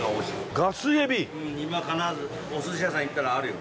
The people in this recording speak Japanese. お寿司屋さん行ったらあるよ。